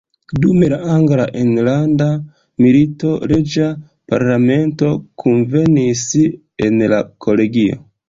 Dum la Angla enlanda milito reĝa parlamento kunvenis en la kolegio.